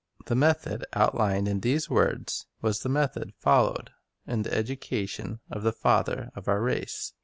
The method outlined in these words was the method followed in the education of the father of our race.